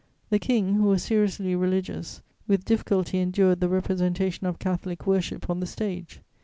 The King, who was seriously religious, with difficulty endured the representation of Catholic worship on the stage.